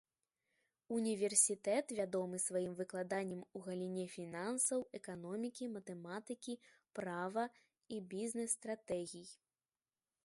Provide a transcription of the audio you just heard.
Універсітэт вядомы сваім выкладаннем у галіне фінансаў, эканомікі, матэматыкі, права і бізнес-стратэгій.